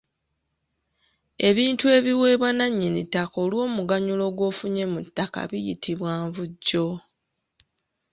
Ebintu ebiweebwa nnannyini ttaka olw’omuganyulo gw’ofunye mu ttaka biyitibwa Nvujjo.